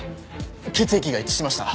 血液が一致しました。